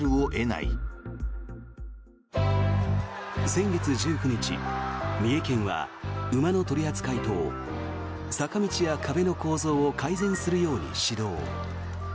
先月１９日、三重県は馬の取り扱いと坂道や壁の構造を改善するように指導。